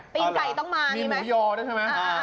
มีหมูยอใช่ไหม